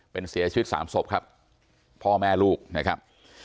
เป็นเสียชีวิตสามศพครับพ่อแม่ลูกนะครับ